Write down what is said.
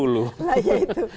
nah ya itu